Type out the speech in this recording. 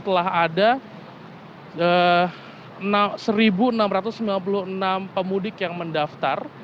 telah ada satu enam ratus sembilan puluh enam pemudik yang mendaftar